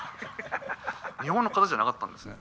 日本の方じゃなかったんですね。